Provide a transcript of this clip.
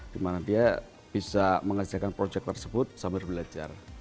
dimana dia bisa mengerjakan proyek tersebut sambil belajar